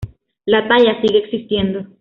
La talla sigue existiendo.